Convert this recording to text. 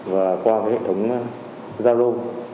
và qua hệ thống gia lô